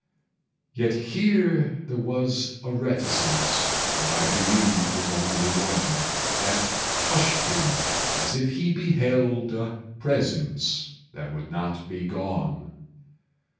Yet here there was a reticence, And I believe his only one, That hushed him as if he beheld A Presence that would not be gone.